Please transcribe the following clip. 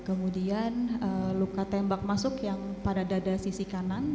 kemudian luka tembak masuk yang pada dada sisi kanan